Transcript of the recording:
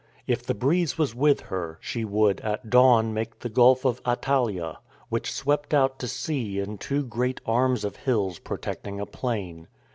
If the breeze was with her, she would at dawn make the Gulf of Attalia, which swept out to sea in two great arms of hills protecting a plain.